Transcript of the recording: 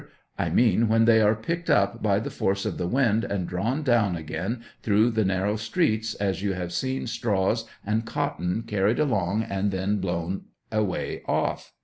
I mean when they are picked up by the force of the wind and drawn down again through the narrow streets, as you have seen straws and cotton carried along and then blown away off.